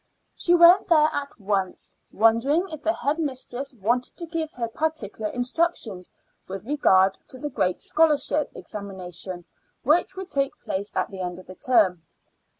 She went there at once, wondering if the head mistress wanted to give her particular instructions with regard to the great scholarship examination which would take place at the end of the term.